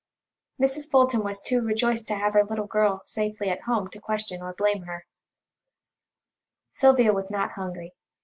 Mrs. Fulton was too rejoiced to have her little girl safely at home to question or blame her. Sylvia was not hungry.